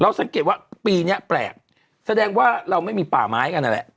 สังเกตว่าปีนี้แปลกแสดงว่าเราไม่มีป่าไม้กันนั่นแหละ